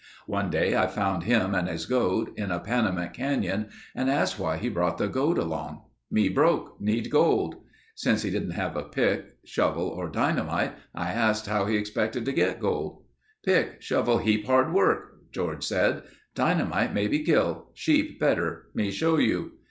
One day I found him and his goat in a Panamint canyon and asked why he brought the goat along. 'Me broke. Need gold.' Since he didn't have pick, shovel, or dynamite, I asked how he expected to get gold. "'Pick, shovel heap work,' George said. 'Dynamite maybe kill. Sheep better. Me show you.